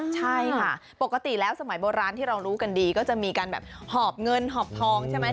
ใช่ค่ะปกติแล้วสมัยโบราณที่เรารู้กันดีก็จะมีการแบบหอบเงินหอบทองใช่ไหม